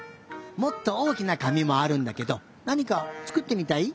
もっとおおきなかみもあるんだけどなにかつくってみたい？